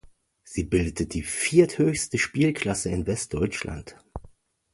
Sie bildete die vierthöchste Spielklasse in Westdeutschland.